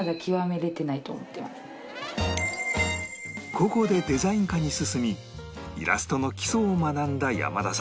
高校でデザイン科に進みイラストの基礎を学んだ山田さん